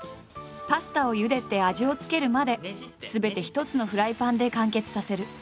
パスタをゆでて味を付けるまですべて一つのフライパンで完結させる。